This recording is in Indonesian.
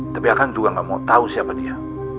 tapi akang juga ga mau tau siapa dia